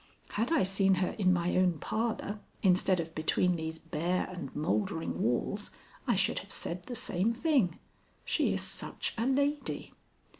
Had I seen her in my own parlor instead of between these bare and moldering walls, I should have said the same thing: "She is such a lady!"